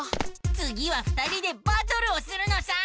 つぎは２人でバトルをするのさ！